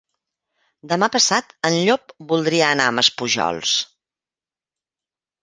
Demà passat en Llop voldria anar a Maspujols.